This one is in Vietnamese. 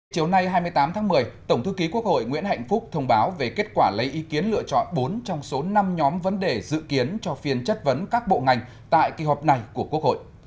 chiều nay hai mươi tám tháng một mươi tổng thư ký quốc hội nguyễn hạnh phúc thông báo về kết quả lấy ý kiến lựa chọn bốn trong số năm nhóm vấn đề dự kiến cho phiên chất vấn các bộ ngành tại kỳ họp này của quốc hội